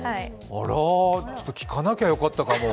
あら、ちょっと聞かなきゃよかったかも。